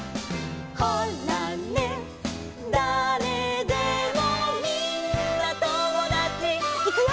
「ほらね誰でもみんなともだち」いくよ！